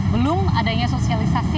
belum adanya sosialisasi